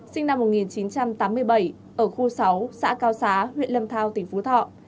sinh năm một nghìn chín trăm tám mươi bảy ở khu sáu xã cao xá huyện lâm thao tỉnh phú thọ